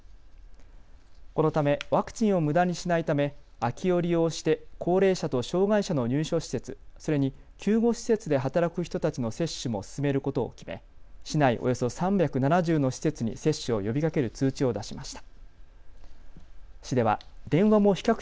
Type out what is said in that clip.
このため、ワクチンをむだにしないため空きを利用して高齢者と障害者の入所施設、それに救護施設で働く人たちの接種も進めることを決め市内およそ３７０の施設に接種を呼びかける通知を出しました。